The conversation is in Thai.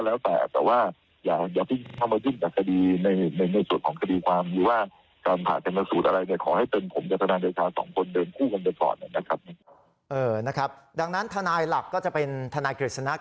เออนะครับดังนั้นทนายหลักก็จะเป็นทนายกิจสนัก